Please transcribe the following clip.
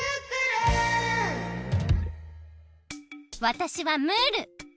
わたしはムール。